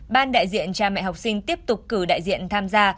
ban đại diện cha mẹ học sinh tiếp tục cử đại diện tham gia